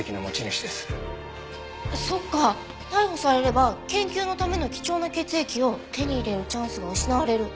そっか逮捕されれば研究のための貴重な血液を手に入れるチャンスが失われる。